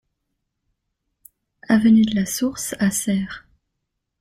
Avenue de la Source à Serres